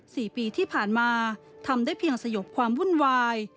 สี่ปีที่ผ่านมาทำได้เพียงสยบความวุ่นวาย